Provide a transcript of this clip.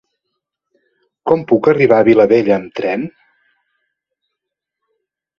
Com puc arribar a la Vilavella amb tren?